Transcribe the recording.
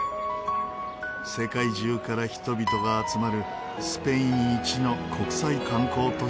世界中から人々が集まるスペイン一の国際観光都市です。